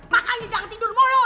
mak aja jangan tidur mulu